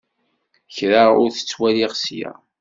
Kra ur t-ttwaliɣ ssya.